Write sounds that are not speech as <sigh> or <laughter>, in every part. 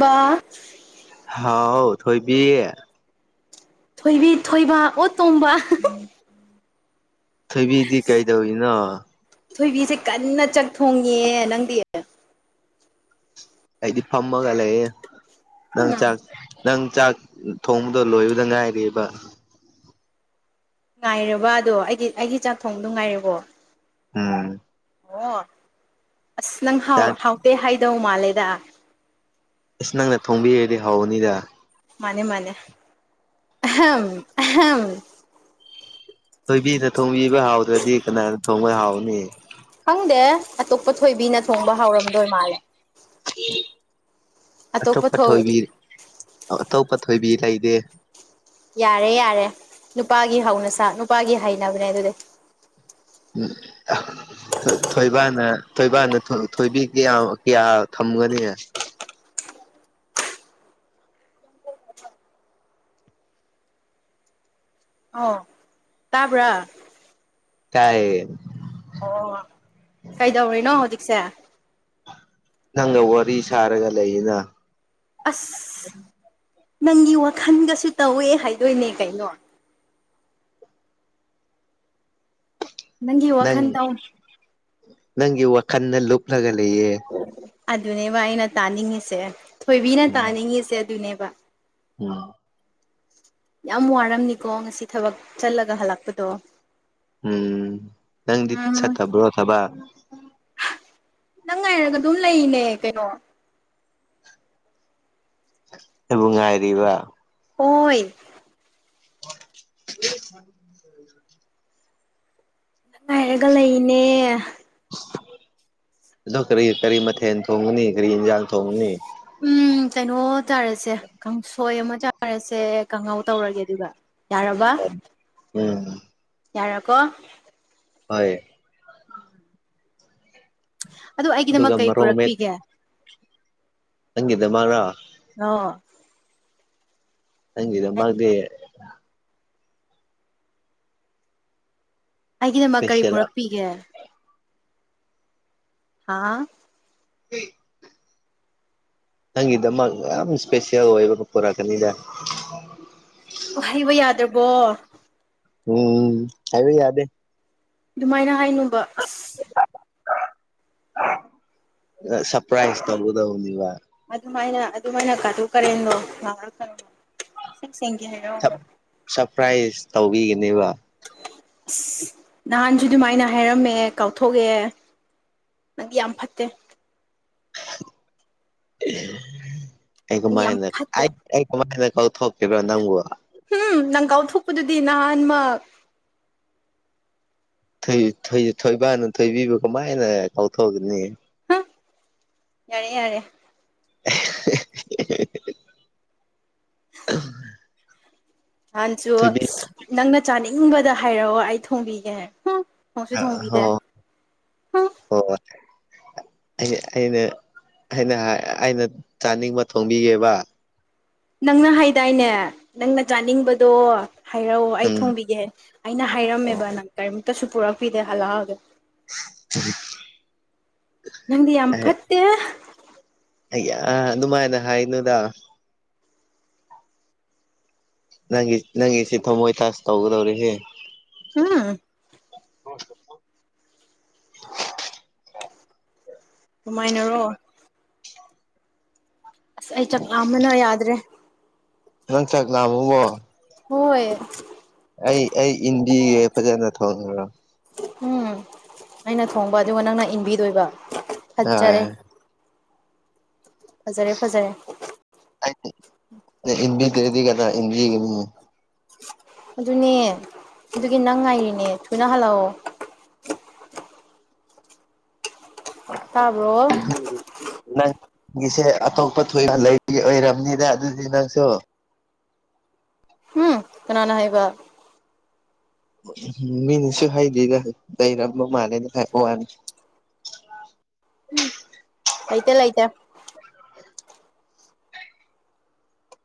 ꯕꯥ ꯍꯥꯎ ꯊꯣꯏꯕꯤ ꯊꯣꯏꯕꯤ ꯊꯣꯏꯕ ꯑꯣ ꯇꯣꯝꯕ ꯊꯣꯏꯕꯤꯗꯤ ꯀꯩꯗꯧꯔꯤꯅꯣ ꯊꯣꯏꯕꯤꯁꯦ ꯀꯟꯅ ꯆꯥꯛ ꯊꯣꯡꯉꯦ ꯅꯪꯗꯤ ꯑꯩꯗꯤ ꯐꯝꯃꯒ ꯂꯩꯌꯦ ꯅꯪ ꯆꯥꯛ ꯅꯪ ꯆꯥꯛ ꯊꯣꯡꯕꯗꯣ ꯂꯣꯏꯕꯗ ꯉꯥꯏꯔꯤꯑꯕ ꯉꯥꯏꯔꯕ ꯑꯗꯣ ꯑꯩꯒꯤ ꯑꯩꯒꯤ ꯆꯥꯛ ꯊꯣꯡꯗꯣ ꯉꯥꯏꯔꯕꯣ ꯎꯝ ꯑꯣ ꯑꯁ ꯅꯪ ꯍꯥꯎ ꯑꯁ ꯍꯥꯎꯇꯦ ꯍꯥꯏꯗꯧ ꯃꯥꯜꯂꯦꯗ ꯑꯁ ꯅꯪꯅ ꯊꯣꯡꯕꯤꯔꯗꯤ ꯍꯥꯎꯒꯅꯤꯗ ꯃꯥꯅꯦ ꯃꯥꯅꯦ ꯑꯍꯝ ꯑꯍꯝ ꯊꯣꯏꯕꯤꯅ ꯊꯣꯡꯕꯤꯕ ꯍꯥꯎꯗ꯭ꯔꯗꯤ ꯀꯅꯥꯅ ꯊꯣꯡꯕ ꯍꯥꯎꯅꯤ ꯈꯪꯗꯦ ꯑꯇꯣꯞꯄ ꯊꯣꯏꯕꯤꯅ ꯊꯣꯡꯕ ꯍꯥꯎꯔꯝꯗꯣꯏ ꯃꯥꯜꯂꯦ ꯑꯇꯣꯞꯄ ꯊꯣꯏꯕꯤ ꯑꯥ ꯑꯇꯣꯞꯄ ꯊꯣꯏꯕꯤ ꯂꯩꯗꯦ ꯌꯥꯔꯦ ꯌꯥꯔꯦ ꯅꯨꯄꯥꯒꯤ ꯍꯧꯅꯁꯥ ꯅꯨꯄꯥꯒꯤ ꯍꯩꯅꯕꯅꯦ ꯑꯗꯨꯗꯤ ꯎꯝ ꯑꯥ ꯊꯣꯏ ꯊꯣꯏꯕꯥꯅ ꯊꯣꯏꯕꯥꯅ ꯊꯣ ꯊꯣꯏꯕꯤ ꯀꯌꯥꯝ ꯀꯌꯥ ꯊꯝꯒꯅꯤ ꯑꯣ ꯇꯕ꯭ꯔꯥ ꯇꯥꯢꯌꯦ ꯑꯣ ꯀꯩꯗꯧꯔꯤꯅꯣ ꯍꯧꯖꯤꯛꯁꯦ ꯅꯪꯒ ꯋꯥꯔꯤ ꯁꯥꯔꯒ ꯂꯩꯌꯦꯅ ꯑꯁ ꯅꯪꯒꯤ ꯋꯥꯈꯟꯒꯁꯨ ꯇꯧꯋꯦ ꯍꯥꯏꯗꯣꯏꯅꯦ ꯀꯩꯅꯣ ꯅꯪꯒꯤ ꯅꯪ ꯋꯥꯈꯜ ꯇꯧ ꯅꯪꯒꯤ ꯋꯥꯈꯜꯗ ꯂꯨꯞꯂꯒ ꯂꯩꯌꯦ ꯑꯗꯨꯅꯦꯕ ꯑꯩꯅ ꯇꯥꯅꯤꯡꯉꯤꯁꯦ ꯊꯣꯏꯕꯤꯅ ꯎꯝ ꯇꯥꯅꯤꯡꯉꯤꯁꯦ ꯑꯗꯨꯅꯦꯕ ꯎꯝ ꯌꯥꯝ ꯋꯥꯔꯝꯅꯤꯀꯣ ꯉꯁꯤ ꯊꯕꯛ ꯆꯠꯂꯒ ꯍꯜꯂꯛꯄꯗꯣ ꯎꯝ ꯅꯪꯗꯤ ꯎꯝ ꯆꯠꯇꯕ꯭ꯔꯣ ꯊꯕꯛ ꯅꯪ ꯉꯥꯏꯔꯒ ꯑꯗꯨꯝ ꯂꯩꯔꯤꯅꯦ ꯀꯩꯅꯣ ꯑꯩꯕꯨ ꯉꯥꯏꯔꯤꯕ ꯍꯣꯏ <inaudible> ꯅꯪ ꯉꯥꯏꯔꯒ ꯂꯩꯔꯤꯅꯦ ꯑꯗꯣ ꯀꯔꯤ ꯀꯔꯤ ꯃꯊꯦꯜ ꯊꯣꯡꯒꯅꯤ ꯀꯔꯤ ꯌꯦꯟꯖꯥꯡ ꯊꯣꯡꯅꯤ ꯎꯝ ꯀꯩꯅꯣ ꯆꯥꯔꯁꯦ ꯀꯥꯡꯁꯣꯏ ꯑꯃꯥ ꯆꯥꯔꯁꯦ ꯀꯥꯉꯧ ꯇꯧꯔꯒꯦ ꯑꯗꯨꯒ ꯌꯥꯔꯕ ꯎꯝ ꯌꯥꯔ‌ꯀꯣ ꯍꯣꯏ ꯑꯗꯨ ꯑꯩꯒꯤꯗꯃꯛ ꯑꯗꯨꯒ ꯀꯩ ꯃꯔꯣꯛ ꯄꯨꯔꯛꯄꯤꯒꯦ ꯅꯪꯒꯤ ꯗꯃꯛꯔꯣ <unintelligible> ꯅꯪꯒꯤ ꯗꯃꯛꯇꯤ ꯑꯩꯒꯤꯗꯃꯛ ꯀꯔꯤ ꯏꯁꯄꯦꯁꯦꯜ ꯄꯨꯔꯛꯄꯤꯒꯦ ꯍꯥꯥ <unintelligible> ꯅꯪꯒꯤꯗꯃꯛ ꯌꯥꯝ ꯏꯁꯄꯦꯁꯦꯜ ꯑꯣꯏꯕ ꯑꯃ ꯄꯨꯔꯛꯀꯅꯤꯗ ꯑꯣ ꯍꯥꯏꯕ ꯌꯥꯗꯔꯕꯣ ꯎꯝ ꯍꯥꯏꯕ ꯌꯥꯗꯦ ꯑꯗꯨꯃꯥꯏꯅ ꯍꯥꯏꯅꯨꯕ ꯑꯁ ꯅ ꯁꯔꯄ꯭ꯔꯥꯏꯁ ꯇꯧꯒꯥꯗꯧꯅꯤꯕ ꯑꯗꯨꯃꯥꯏꯅ ꯑꯗꯨꯃꯥꯏꯅ ꯀꯥꯇꯨ ꯀꯥꯔꯟꯗꯣ ꯉꯥꯡꯉꯛꯀꯅꯣ ꯁꯤꯛ ꯁꯦꯡꯒꯦ ꯍꯥꯏꯔꯛ ꯑꯣ ꯁꯔꯄ꯭ꯔꯥꯏꯁ ꯇꯧꯕꯤꯒꯅꯦꯕ ꯏꯁ ꯅꯍꯥꯟꯁꯨ ꯑꯗꯨꯃꯥꯏꯅ ꯍꯥꯏꯔꯝꯃꯦ ꯀꯥꯎꯊꯣꯛꯑꯦ ꯅꯪꯗꯤ ꯌꯥꯝ ꯐꯠꯇꯦ ꯑꯩ ꯅꯪꯗꯤ ꯌꯥꯝ ꯀꯃꯥꯏꯅ ꯐꯠꯇꯦ ꯑꯥꯏꯠ ꯑꯩ ꯀꯃꯥꯏꯅ ꯀꯥꯎꯊꯣꯛꯈꯤꯕ꯭ꯔꯣ ꯅꯪꯕ‌ꯣ ꯍꯝ ꯅꯪ ꯀꯥꯎ ꯊꯣꯛꯄꯗꯨꯗꯤ ꯅꯍꯥꯟꯃꯛ ꯊꯣꯏ ꯊꯣꯏ ꯊꯣꯏꯕꯥꯅ ꯊꯣꯏꯕꯤꯕꯨ ꯀꯃꯥꯏꯅ ꯀꯥꯎꯊꯣꯛꯒꯅꯤ ꯍꯨꯝ ꯌꯥꯔꯦ ꯌꯥꯔꯦ ꯅꯍꯥꯟꯁꯨ ꯊꯣꯏꯕꯤ ꯅꯪꯅ ꯆꯥꯅꯤꯡꯕꯗ ꯍꯥꯏꯔꯛꯑꯣ ꯑꯩ ꯊꯣꯡꯕꯤꯒꯦ ꯊꯣꯡꯁꯨ ꯍꯣ ꯊꯣꯡꯕꯤꯗꯦ ꯍꯨꯝ ꯍꯣ ꯍꫭꯏ ꯑꯩꯁꯦ ꯑꯩꯅ ꯑꯩꯅ ꯑꯩꯅ ꯆꯥꯅꯤꯡꯕ ꯊꯣꯡꯕꯤꯒꯦꯕ ꯅꯪꯅ ꯍꯥꯏꯗꯥꯏꯅꯦ ꯅꯪꯅ ꯆꯥꯅꯤꯡꯕꯗꯣ ꯍꯥꯏꯔꯛꯑꯣ ꯑꯩ ꯎꯝ ꯊꯣꯡꯕꯤꯒꯦ ꯑꯩꯅ ꯑꯣ ꯍꯥꯏꯔꯝꯃꯦꯕ ꯅꯪ ꯀꯔꯤꯝꯇꯁꯨ ꯄꯨꯔꯛꯄꯤꯗꯦ ꯍꯜꯂꯛꯑꯒꯦ ꯎꯔꯤ <unintelligible> ꯅꯪꯗꯤ ꯌꯥꯝ ꯐꯠꯇꯦ ꯑꯌꯥ ꯑꯗꯨꯃꯥꯏꯅ ꯍꯥꯏꯅꯨꯗ ꯅꯪꯒꯤ ꯅꯪꯒꯤꯁꯤ ꯊꯃꯣꯏ ꯇꯖ ꯇꯧꯒꯗꯧꯔꯦꯍꯦ ꯍꯨꯝ <unintelligible> ꯀꯃꯥꯏꯅꯔꯣ ꯑꯁ ꯑꯩ ꯆꯥꯛ ꯂꯥꯝꯕꯅ ꯌꯥꯗ꯭ꯔꯦ ꯅꯪ ꯆꯥꯛ ꯂꯥꯝꯃ ꯕꯣ ꯍꯣꯏ ꯑꯩ ꯑꯩ ꯏꯟꯕꯤꯒꯦ ꯐꯖꯅ ꯊꯣꯡꯉꯒ ꯎꯝ ꯑꯩꯅ ꯊꯣꯡꯕ ꯑꯗꯨꯒ ꯅꯪꯅ ꯏꯟꯕꯤꯗꯣꯏꯕ ꯐꯖꯔꯦ ꯑ ꯐꯖꯔꯦ ꯐꯖꯔꯦ ꯑꯩ ꯑꯩ ꯏꯟꯕꯤꯗꯔꯥꯗꯤ ꯀꯅꯥ ꯏꯟꯕꯤꯒꯅꯤ ꯑꯗꯨꯅꯦ ꯑꯗꯨꯒꯤ ꯅꯪ ꯉꯥꯏꯔꯤꯅꯦ ꯊꯨꯅ ꯍꯜꯂꯛꯑꯣ ꯇꯥꯕ꯭ꯔꯣ ꯅꯪꯒꯤꯁꯦ ꯑꯇꯣꯞꯄ ꯊꯣꯏꯅ ꯂꯩꯒꯤ ꯑꯣꯏꯔꯝꯅꯤꯗ ꯑꯗꯨꯗꯤ ꯅꯪꯁꯨ ꯎꯝ ꯀꯅꯥꯅ ꯍꯥꯏꯕ ꯎꯝ ꯃꯤꯅꯁꯨ ꯍꯩꯗꯤꯗ ꯂꯩꯔꯝꯕ ꯃꯥꯜꯂꯦꯅ ꯍꯥꯏꯕ ꯋꯥꯅꯤ ꯂꯩꯇꯦ ꯂꯩꯇꯦ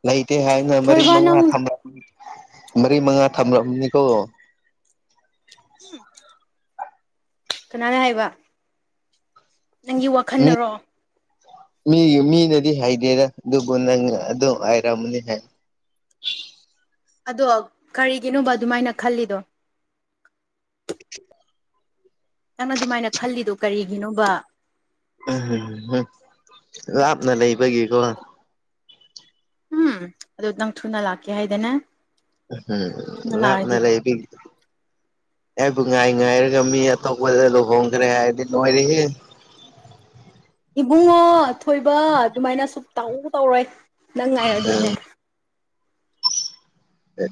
ꯂꯩꯇꯦ ꯍꯥꯏꯅ ꯃꯔꯤ ꯊꯣꯏꯕ ꯃꯉꯥ ꯅꯪ ꯊꯝ ꯃꯔꯤ ꯃꯉꯥ ꯊꯝꯂꯛꯑꯅꯤꯀꯣ ꯑꯁ <unintelligible> ꯀꯅꯥꯔ ꯍꯥꯏꯕ ꯅꯪꯒꯤ ꯃꯤ ꯋꯥꯈꯟꯅꯔꯣ ꯃꯤꯒꯤ ꯃꯤꯅꯗꯤ ꯍꯩꯗꯦꯗ ꯑꯗꯨꯕꯨ ꯅꯪ ꯑꯗꯨꯝ ꯍꯥꯏꯔꯝꯅꯤ ꯍꯥꯏ ꯑꯗꯣ ꯀꯔꯤꯒꯤꯅꯣꯕ ꯑꯗꯨꯃꯥꯏꯅ ꯈꯜꯂꯤꯗꯣ ꯁꯤꯠ <unintelligible> ꯅꯪꯅ ꯑꯗꯨꯃꯥꯏꯅ ꯈꯜꯂꯤꯗꯣ ꯀꯔꯤꯒꯤꯅꯣꯕ ꯎꯝ ꯂꯥꯞꯅ ꯂꯩꯕꯒꯤ ꯀꯣ ꯎꯝ ꯑꯗꯨ ꯅꯪ ꯊꯨꯅ ꯂꯥꯛꯀꯦ ꯍꯥꯏꯗꯅꯦ ꯎꯝ ꯂꯥꯞꯅ ꯂꯩꯕꯤ ꯑꯩꯕꯨ ꯉꯥꯏ ꯉꯥꯏꯔꯒ ꯃꯤ ꯑꯇꯣꯞꯄꯗ ꯂꯨꯍꯣꯡꯈ꯭ꯔꯦ ꯍꯥꯏꯔꯗꯤ ꯂꯣꯏꯔꯦꯍꯦ ꯏꯕꯨꯡꯉꯣ ꯊꯣꯏꯕ ꯑꯗꯨꯃꯥꯏꯅ ꯁꯨꯝ ꯇꯧ ꯇꯧꯔꯣꯏ ꯅꯪ ꯎꯝ ꯉꯥꯏꯔꯗꯣꯏꯅꯦ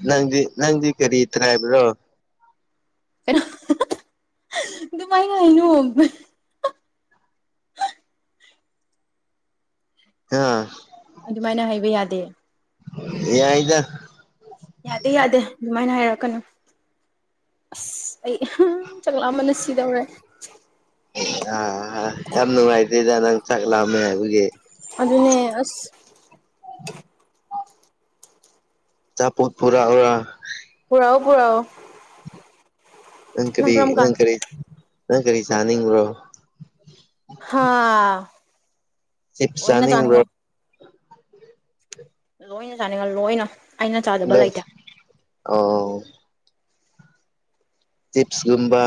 ꯅꯪꯗꯤ ꯅꯪꯗꯤ ꯀꯔꯤ ꯇ꯭ꯔꯥꯏꯞꯔꯣ ꯀꯩꯅꯣ ꯑꯗꯨꯃꯥꯏꯅ ꯍꯥꯏꯅꯣ ꯍꯥ ꯑꯗꯨꯃꯥꯏꯅ ꯍꯥꯏꯕ ꯌꯥꯗꯦ ꯌꯥꯏꯗ ꯌꯥꯗꯦ ꯌꯥꯗꯦ ꯑꯗꯨꯃꯥꯏꯅ ꯍꯥꯏꯔꯛꯀꯅꯨ ꯑꯁ ꯑꯩ ꯆꯥꯛ ꯂꯥꯝꯕꯅ ꯁꯤꯗꯧꯔꯦ ꯑ ꯌꯥꯝ ꯅꯨꯡꯉꯥꯏꯇꯦꯗ ꯅꯪ ꯆꯥꯛꯂꯥꯝꯃꯦ ꯍꯥꯏꯕꯒꯤ ꯑꯗꯨꯅꯦ ꯑꯁ ꯆꯥꯄꯣꯠ ꯄꯨꯔꯛ ꯑꯣꯔꯥ ꯄꯨꯔꯛꯎ ꯄꯨꯔꯛꯎ ꯅꯪ ꯀꯔꯤ ꯀꯔꯝ ꯅꯪ ꯀꯥꯟꯗ ꯀꯔꯤ ꯅꯪ ꯀꯔꯤ ꯆꯥꯅꯤꯡꯕ꯭ꯔꯣ ꯍꯥꯥ ꯆꯤꯞꯁ ꯆꯥꯅꯤꯡꯕ꯭ꯔꯣ ꯂꯣꯏꯅ ꯆꯥꯅꯤꯡꯉꯦ ꯂꯣꯏꯅ ꯑꯩꯅ ꯆꯥꯗꯕ ꯂꯩ ꯂꯩꯇꯦ ꯑꯣ ꯆꯤꯞꯁꯀꯨꯝꯕ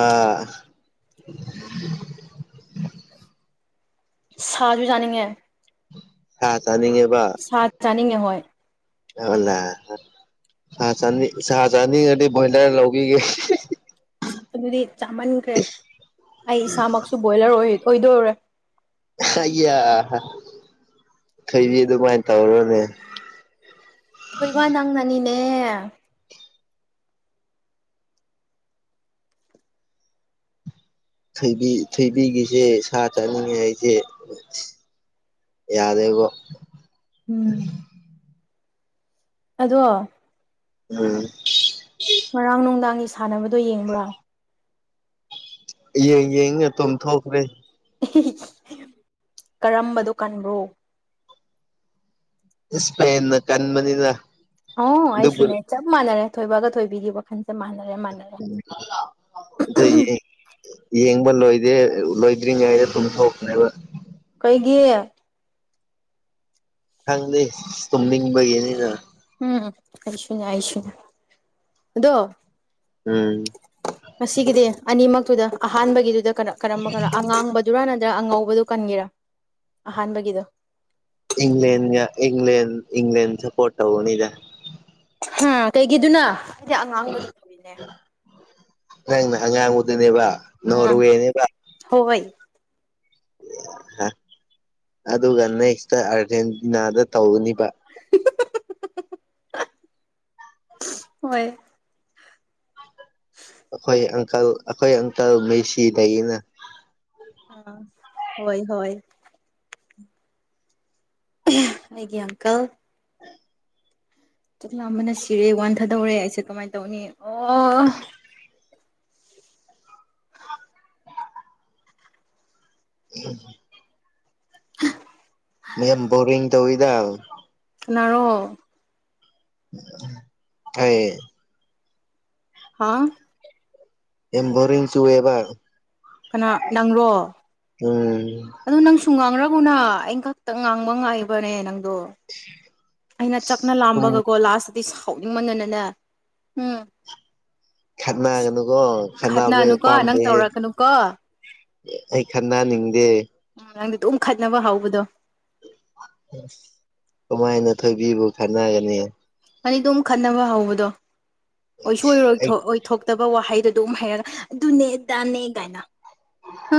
ꯁꯥꯁꯨ ꯌꯥꯥꯅꯤꯡꯉꯦ ꯁꯥ ꯆꯥꯅꯤꯡꯉꯦꯕ ꯁꯥ ꯆꯥꯅꯤꯡꯉꯦ ꯍꯣꯏ ꯂꯣꯏꯂ ꯁꯥ ꯆꯅꯤ ꯁꯥ ꯆꯅꯤꯡ ꯉꯗꯤ ꯕꯣꯏꯂꯔ ꯂꯧꯕꯤꯒꯦ ꯑꯁ ꯑꯗꯨꯗꯤ ꯆꯥꯃꯟꯈ꯭ꯔꯦ ꯑꯩ ꯏꯁꯥꯃꯛꯁꯨ ꯕꯣꯏꯂꯔ ꯑꯣꯏꯗꯣꯏꯔꯦ ꯑꯩ ꯑ ꯊꯣꯏꯕꯤ ꯑꯗꯨꯃꯥꯏꯅ ꯇꯧꯔꯣꯅꯦ ꯊꯣꯏꯕ ꯅꯪꯅꯅꯤꯅꯦ ꯊꯕꯤ ꯊꯣꯏꯕꯤꯒꯤꯁꯦ ꯁꯥ ꯆꯥꯅꯤꯡꯉꯦ ꯍꯥꯏꯁꯦ ꯌꯥꯗꯦꯕꯣ ꯎꯝ ꯑꯗꯣ ꯎꯝ ꯉꯔꯥꯡ ꯅꯨꯡꯗꯥꯡꯒꯤ ꯁꯥꯟꯅꯕꯗꯣ ꯌꯦꯡꯕ꯭ꯔꯥ ꯌꯦꯡ ꯌꯦꯡꯉ ꯇꯨꯝ ꯊꯣꯛꯈ꯭ꯔꯦ ꯍꯤ ꯍꯤꯀꯔꯝꯕꯗꯣ ꯀꯟꯕ꯭ꯔꯣ ꯏꯁꯄꯦꯟ ꯅ ꯀꯟꯃꯅꯤꯅ ꯑꯣ ꯑꯩꯁꯨꯅꯦ ꯆꯞ ꯃꯥꯟꯅꯔꯦ ꯊꯣꯏꯕꯒ ꯊꯣꯏꯕꯤꯒꯤ ꯋꯥꯈꯜꯁꯦ ꯃꯥꯟꯅꯔꯦ ꯃꯥꯟꯅꯔꯦ ꯎꯝ ꯑꯗꯨꯌꯦꯡ ꯌꯦꯡꯕ ꯂꯣꯏꯗꯦ ꯂꯣꯏꯗ꯭ꯔꯤꯉꯩꯗ ꯄꯨꯨꯝꯊꯣꯛꯈꯔꯦꯕ ꯀꯩꯒꯤ ꯈꯪꯗꯦ ꯇꯨꯝꯅꯤꯡꯕꯒꯤꯅꯤꯅ ꯎꯝ ꯑꯩꯁꯨꯅꯤ ꯑꯩꯁꯨꯅꯤ ꯑꯗꯣ ꯎꯝ ꯉꯁꯤꯒꯤꯗꯤ ꯑꯅꯤꯃꯛꯇꯨꯗ ꯑꯍꯥꯟꯕꯒꯤꯗꯨꯗ ꯀꯅꯥ ꯀꯔꯝꯕ ꯀꯅꯥ ꯑꯉꯥꯡꯕ ꯨꯗꯨꯔꯥꯟꯅꯗ꯭ꯔ ꯑꯉꯧꯕꯗꯣ ꯀꯟꯒꯦꯔꯥ ꯑꯍꯥꯟꯕꯒꯤꯗꯣ ꯏꯪꯂꯦꯟꯒ ꯏꯪꯂꯦꯟ ꯏꯪꯂꯦꯟ ꯁꯄꯣꯔꯠ ꯇꯧꯒꯅꯤꯗ ꯍꯥ ꯀꯩꯒꯤꯗꯨꯅ ꯑꯩꯗꯤ ꯑꯉꯥꯡꯕꯗꯨ ꯑꯗꯨꯝ ꯅꯪꯅ ꯑꯉꯥꯡꯕꯗꯨꯅꯦꯕ ꯑꯝ ꯅꯣꯔꯋꯦꯅꯦꯕ ꯍꯣꯏ ꯍꯥ ꯑꯗꯨꯒ ꯅꯦꯛꯁꯇ ꯑꯥꯔꯖꯦꯟꯇꯤꯅꯥꯗ ꯇꯧꯅꯤꯕ ꯍꯣꯏ <unintelligible> ꯑꯩꯈꯣꯏ ꯑꯪꯀꯜ ꯑꯩꯈꯣꯏ ꯑꯪꯀꯜ ꯃꯦꯁꯤꯗꯒꯤꯅ ꯑ ꯍꯣꯏ ꯍꯣꯏ ꯑꯌꯥ ꯑꯩ ꯒꯌꯥꯟ ꯀꯛ ꯆꯛꯂꯥꯝꯕꯅ ꯁꯤꯔꯦ ꯋꯥꯟꯊꯥꯗꯧꯔꯦ ꯑꯩꯁꯦ ꯀꯃꯥꯏꯅ ꯇꯧꯅꯤ ꯑꯣ ꯎꯝ ꯃꯦꯝ ꯕꯣꯔꯔꯤꯡ ꯇꯧꯌꯤꯗ ꯀꯅꯔꯣ ꯑꯩ ꯍꯥꯥ ꯌꯥꯝ ꯕꯣꯔꯤꯡ ꯆꯨꯌꯦꯕ ꯀꯅꯥ ꯅꯪꯔꯣ ꯎꯝ ꯑꯗꯨ ꯅꯪꯁꯨ ꯉꯥꯡꯔꯒꯅ ꯑꯩꯅ ꯈꯛꯇ ꯉꯥꯡꯕ ꯉꯥꯏꯕꯅꯦ ꯅꯪꯗꯣ ꯑꯩꯅ ꯆꯥꯛꯅ ꯁꯨꯝ ꯂꯥꯝꯕꯒꯀꯣ ꯂꯥꯁꯇꯗꯤ ꯁꯥꯎꯅꯤꯡ ꯃꯅꯅꯅꯦ ꯎꯝ ꯈꯠꯅꯥ ꯀꯅꯣꯀꯣ ꯈꯔꯅꯥ ꯈꯠꯅꯅꯨꯀꯣ ꯅꯪ ꯀꯝꯗꯤꯦ ꯇꯧꯔꯛꯀꯅꯨꯀꯣ ꯑꯩ ꯈꯟꯅꯅꯤꯡꯗꯦ ꯎꯝ ꯅꯪꯗꯤ ꯑꯗꯨꯝ ꯈꯠꯅꯕ ꯍꯧꯕꯗꯣ ꯑꯁ ꯀꯃꯥꯏꯅ ꯊꯣꯏꯕꯤꯕꯨ ꯈꯠꯅꯒꯅꯤ ꯑꯅꯤꯗꯣ ꯑꯃ ꯈꯠꯅꯕ ꯍꯧꯕꯗꯣ ꯑꯣꯏ ꯁꯣꯏꯔꯣꯏ ꯑꯩ ꯑꯣꯏ ꯇꯕ ꯋꯥꯍꯩꯗꯨ ꯑꯗꯨꯝ ꯍꯥꯏꯩꯔꯒ ꯑꯗꯨꯅꯦ ꯗꯥꯅꯦ ꯀꯥꯏꯅ ꯍꯥ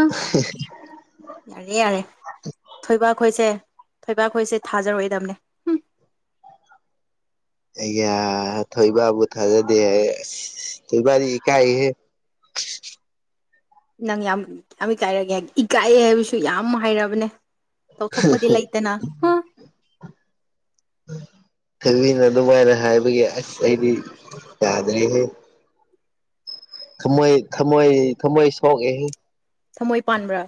ꯌꯥꯔꯦ ꯌꯥꯔꯦ ꯊꯣꯏꯕꯥꯛ ꯈꯣꯏꯁꯦ ꯊꯣꯏꯕꯥꯛꯈꯣꯏꯁꯦ ꯊꯥꯖꯔꯛꯏꯗꯕꯅꯦ ꯌꯥ ꯊꯣꯏꯕꯥꯕꯨ ꯊꯥꯖꯗꯦ ꯊꯣꯏꯕꯥꯗꯤ ꯏꯀꯥꯏꯍꯦ <inaudible> ꯅꯪ ꯌꯥꯝ ꯌꯥꯝ ꯏꯀꯥꯏꯔꯒꯦ ꯏꯀꯥꯏꯑꯦ ꯍꯥꯏꯕꯁꯨ ꯌꯥꯝ ꯍꯩꯔꯕꯅꯦ ꯇꯧꯊꯣꯛꯄꯗꯤ ꯂꯩꯇꯅ ꯍꯥ ꯊꯕꯤꯅ ꯑꯗꯨꯃꯥꯏꯅ ꯍꯥꯏꯕꯒꯤ ꯑꯁ ꯑꯩꯗꯤ ꯌꯥꯥꯗ꯭ꯔꯦꯍꯦ ꯊꯃꯣꯏ ꯊꯃꯣꯏ ꯊꯃꯣꯣꯏ ꯁꯣꯛ ꯑꯦ ꯊꯝꯃꯣꯏ ꯄꯥꯟꯕ꯭ꯔꯥ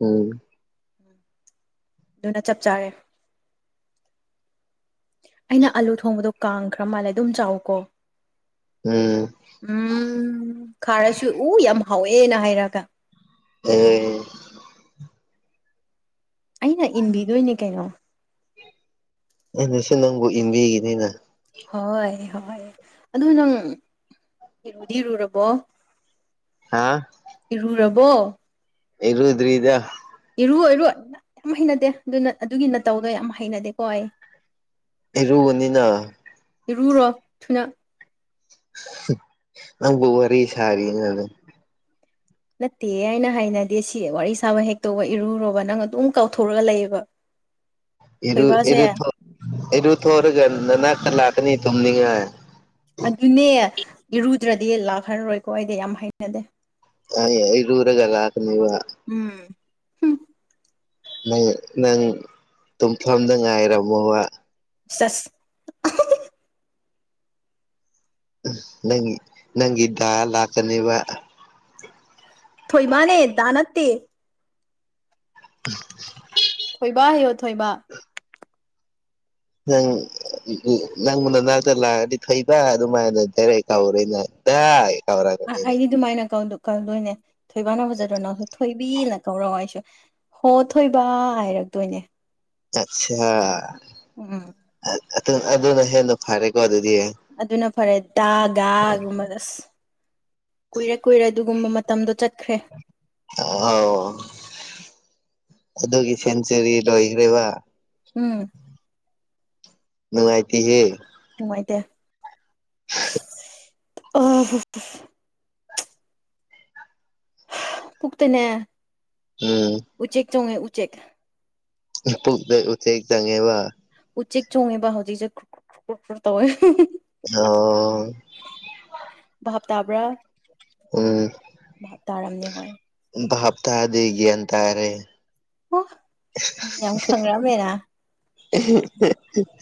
ꯎꯝ ꯑꯗꯨꯅ ꯆꯞ ꯆꯥꯔꯦ ꯑꯩꯅ ꯑꯂꯨ ꯊꯣꯡꯕꯗꯣ ꯀꯥꯡꯈ꯭ꯔ ꯃꯥꯜꯂꯦ ꯑꯗꯨꯝ ꯆꯥꯎꯀꯣ ꯎꯝ ꯎꯝ ꯈꯥꯔꯁꯨ ꯎ ꯌꯥꯝ ꯍꯥꯎꯋꯦꯅ ꯍꯥꯏꯔꯒ ꯑꯦ ꯑꯩꯅ ꯏꯟꯕꯤꯗꯣꯏꯅꯦ ꯀꯩꯅꯣ ꯑ ꯁꯤ ꯅꯪꯕꯨ ꯏꯟꯕꯤꯒꯤꯅꯤꯅ ꯍꯣꯏ ꯍꯣꯏ ꯑꯗꯨ ꯅꯪ ꯏꯔꯨꯗꯤꯔꯨꯔꯕꯣ ꯍꯥ ꯏꯔꯨꯔꯕꯣ ꯏꯔꯨꯗ꯭ꯔꯤꯗ ꯏꯔꯨ ꯏꯔꯨ ꯌꯥꯝ ꯍꯩꯅꯗꯦ ꯑꯗꯨꯅ ꯑꯗꯨꯒꯤ ꯅꯠꯇꯧꯗꯣ ꯌꯥꯝ ꯍꯩꯅꯗꯦꯀꯣ ꯑꯩ ꯏꯔꯨꯕꯅꯤꯅ ꯏꯔꯨꯔꯣ ꯊꯨꯅ ꯅꯪꯕꯨ ꯋꯥꯔꯤ ꯁꯥꯔꯤ ꯅꯠꯇꯦ ꯍꯥꯏꯅ ꯍꯥꯏꯅꯗꯦ ꯁꯤ ꯋꯥꯔꯤ ꯁꯥꯕ ꯍꯦꯛ ꯇꯧꯕ ꯏꯔꯨꯣꯔꯕ ꯅꯪ ꯑꯗꯨꯝ ꯀꯥꯎꯊꯣꯔꯒ ꯂꯩꯌꯦꯕ <inaudible> ꯏꯔ ꯏꯔ ꯊ ꯏꯔ ꯊꯧꯔꯒ ꯅꯅꯥ ꯀ ꯂꯥꯛꯇꯅꯤ ꯇꯨꯝꯅꯤꯡꯉꯥꯏ ꯑꯗꯨꯅꯦ ꯏꯔꯨꯗ꯭ꯔꯗꯤ ꯂꯥꯛꯍꯜꯔꯔꯣꯏꯀꯣ ꯑꯩꯗꯤ ꯌꯥꯝ ꯍꯩꯅꯗꯦ ꯌꯥꯌꯦ ꯑꯦꯔꯨꯂꯒ ꯂꯥꯛꯀꯅꯤꯕ ꯎꯝ ꯅꯪ ꯅꯪ ꯇꯨꯝꯐꯝꯗ ꯉꯥꯏꯔꯝꯃꯣꯕ ꯁꯁ ꯎ ꯅꯪ ꯅꯪꯒꯤ ꯗꯥ ꯂꯥꯛꯀꯅꯦꯕ ꯊꯣꯏ ꯃꯥꯅꯦ ꯗꯥ ꯅꯠꯇꯦ ꯊꯣꯏꯕ ꯍꯥꯏꯌꯣ ꯊꯣꯏꯕ ꯅꯪ ꯎ ꯅꯪꯕꯨ ꯅꯅꯥꯛꯇ ꯂꯥꯛꯑꯗꯤ ꯊꯩꯕ ꯑꯗꯨꯃꯥꯏꯅ ꯗꯥꯏꯔꯦꯛ ꯀꯥꯎꯔꯒ ꯗꯥ ꯑ ꯀꯧꯔꯛꯀꯅꯤꯅ ꯑꯩꯗꯤ ꯑꯗꯨꯃꯥꯏꯅ ꯀꯧꯗꯣꯏꯅꯦ ꯊꯣꯏꯕꯥꯅ ꯐꯖꯗ꯭ꯔꯣ ꯅꯪꯁꯨ ꯊꯣꯏꯕꯤꯅ ꯀꯧꯔ ꯍꯥꯏꯁꯨ ꯍꯣ ꯊꯣꯏꯕ ꯍꯥꯏꯔꯛꯇꯣꯏꯅꯦ ꯑꯆꯥ ꯑꯣ ꯑꯗꯨꯅ ꯍꯦꯟꯅ ꯐꯔꯦꯀꯣ ꯑꯗꯨꯗꯤ ꯑꯗꯨꯅ ꯐꯔꯦ ꯗ ꯒꯥ ꯒꯨꯝꯕꯒꯁ ꯀꯨꯏꯔꯦ ꯀꯨꯏꯔꯦ ꯑꯗꯨꯒꯨꯝꯕ ꯃꯇꯝꯗꯣ ꯆꯠꯈ꯭ꯔꯦ ꯑꯣꯥꯎ ꯑꯗꯨꯒꯤ ꯁꯦꯟꯆꯨꯔꯤ ꯂꯣꯏꯈ꯭ꯔꯦꯕ ꯎꯝ ꯅꯨꯉꯥꯏꯇꯦ ꯍꯦ ꯅꯨꯡꯉꯥꯏꯗꯦ ꯑ ꯄꯨꯛꯇꯅꯦ ꯎꯝ ꯎꯆꯦꯛ ꯆꯣꯡꯉꯦ ꯎꯆꯦꯛ ꯄꯨꯛꯇ ꯎꯆꯦꯡ ꯆꯪꯉꯦꯕ ꯎꯆꯦꯛ ꯆꯣꯡꯃꯤꯕ ꯍꯧꯖꯤꯁꯦ ꯐ ꯇ ꯑꯣꯏ ꯑꯣ ꯚꯥꯞ ꯇꯥꯕ꯭ꯔꯥ ꯎꯝ ꯚꯥꯞ ꯇꯥꯔꯝꯅꯦ ꯍꯣꯏ ꯚꯥꯞꯇꯗꯦ ꯒꯤꯌꯟꯇꯥꯔꯦ ꯑꯣ ꯌꯥꯝ ꯈꯪꯑꯝꯃꯦꯅ <unintelligible>